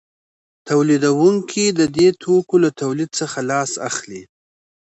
تولیدونکي د دې توکو له تولید څخه لاس اخلي